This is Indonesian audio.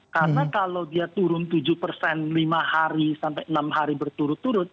karena kalau dia turun tujuh lima hari sampai enam hari berturut turut